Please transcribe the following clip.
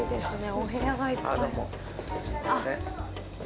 お部屋がいっぱい。